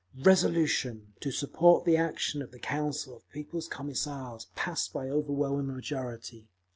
Resolution, to support the action of the Council of People's Commissars, passed by overwhelming majority.